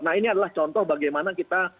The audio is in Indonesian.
nah ini adalah contoh bagaimana kita